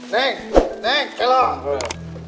neng neng elah